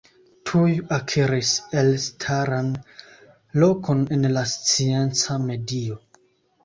Tuj akiris elstaran lokon en la scienca medio.